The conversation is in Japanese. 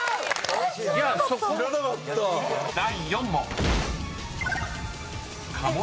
［第４問］